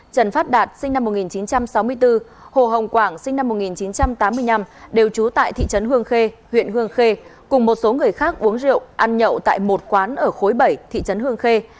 trần phát đạt sinh năm một nghìn chín trăm sáu mươi bốn hồ hồng quảng sinh năm một nghìn chín trăm tám mươi năm đều trú tại thị trấn hương khê huyện hương khê cùng một số người khác uống rượu ăn nhậu tại một quán ở khối bảy thị trấn hương khê